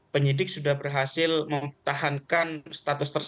penyidik sudah berhasil mempertahankan status tersangka